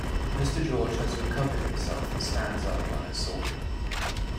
Mr. George has recovered himself and stands up like a soldier.